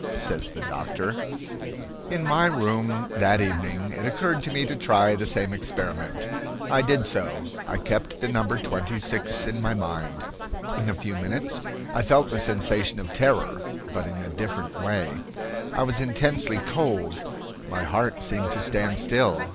Says the doctor: "In my room that evening it occurred to me to try the same experiment. I did so. I kept the number twenty six in my mind. In a few minutes I felt the sensation of terror, but in a different way. I was intensely cold. My heart seemed to stand still.